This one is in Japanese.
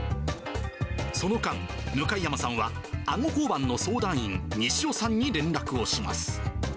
その間、向山さんは阿児交番の相談員、西尾さんに連絡をします。